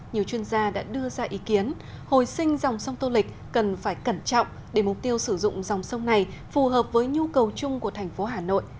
nhiều chuyên gia đã đưa ra ý kiến hồi sinh dòng sông tô lịch cần phải cẩn trọng để mục tiêu sử dụng dòng sông này phù hợp với nhu cầu chung của thành phố hà nội